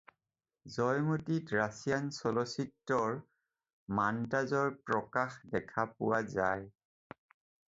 জয়মতীত Russian চলচ্চিত্ৰৰ মন্তাজৰ প্ৰকাশ দেখা পোৱা যায়।